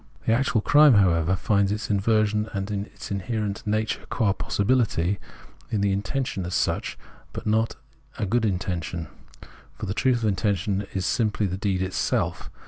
The actual Understanding 155 crime, however, finds its inversion, and its inherent nature qua possibihty, in the intention as such, but not in a good intention ; for the truth of intention is simply the deed itself.